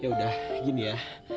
ya udah gini ya